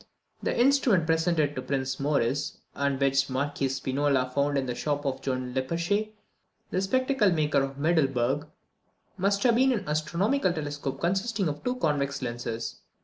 The instrument presented to Prince Maurice, and which the Marquis Spinola found in the shop of John Lippershey, the spectacle maker of Middleburg, must have been an astronomical telescope consisting of two convex lenses.